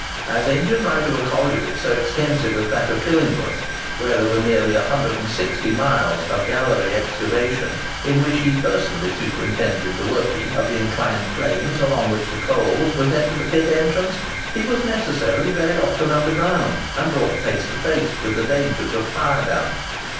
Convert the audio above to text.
As engine wright of a colliery so extensive as that of Killingworth, where there were nearly 160 miles of gallery excavation, in which he personally superintended the working of the inclined planes along which the coals were sent to the pit entrance, he was necessarily very often underground, and brought face to face with the dangers of fire damp.